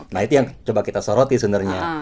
nah itu yang coba kita soroti sebenarnya